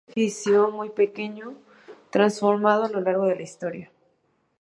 Es un edificio pequeño, muy transformado a lo largo de la historia.